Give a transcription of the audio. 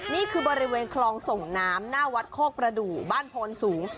นี่คือบริเวณคลองส่งน้ำหน้าวัดโคกประดูกบ้านโพนสูง